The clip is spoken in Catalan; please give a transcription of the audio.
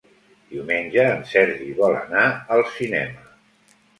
Diumenge en Sergi vol anar al cinema.